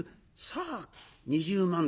さあ２０万